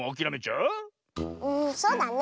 うんそうだね。